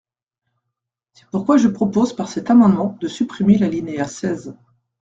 C’est pourquoi je propose par cet amendement de supprimer l’alinéa seize.